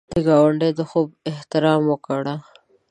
د ګاونډي د خوب احترام وکړه